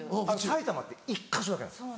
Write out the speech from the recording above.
埼玉って１か所だけなんです。